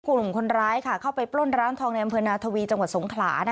กลุ่มคนร้ายเข้าไปปล้นร้านทองในอำเภอนาทวีจังหวัดสงขลา